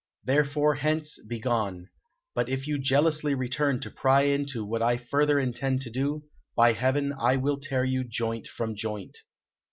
Therefore, hence, begone! But if you jealously return to pry into what I further intend to do, by heaven, I will tear you joint from joint!"